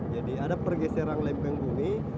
jadi ada pergeseran lempeng bumi